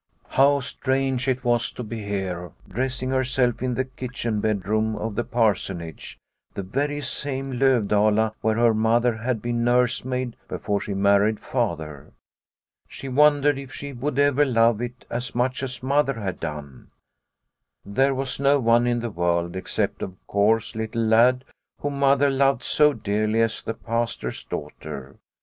How strange it was to be here, dressing herself in the kitchen bedroom of the Parsonage, the very same Lovdala where her Mother had been nursemaid before she married Father. She wondered if she would ever love it as much as Mother had done. There was no one in the world except, of course, Little Lad whom Mother loved so dearly as the Pastor's daughter.